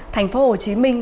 thành phố hồ chí minh